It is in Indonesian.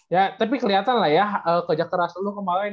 ya tapi keliatan lah ya ke jakarta rasul lu kemarin